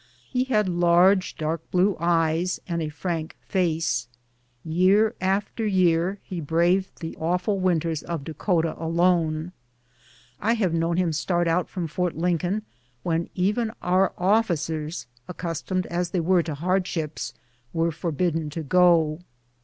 lie had large, dark blue eyes, and a frank face. Year after year he braved the awful winters of Dakota alone. I have known him start out from Fort Lincoln when even our officers, accustomed as they were to hardships, were forbidden to go.